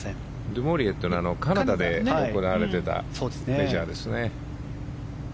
デュモーリエというのはカナダで行われていたメジャーですね。